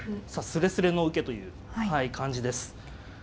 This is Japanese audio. すれすれの受けという感じです。